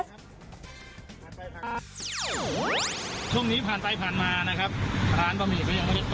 ช่วงนี้ผ่านไปผ่านมานะครับ